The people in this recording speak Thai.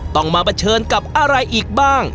ต้องมาประเทินกับอะไรอีกบ้าง